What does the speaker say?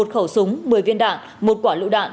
một khẩu súng một mươi viên đạn một quả lựu đạn